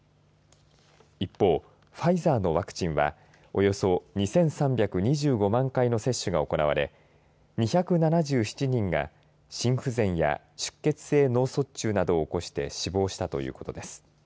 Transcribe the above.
一方、ファイザーのワクチンはおよそ２３２５万回の接種が行われ２７７人が心不全や出血性脳卒中などを起こして死亡したということです。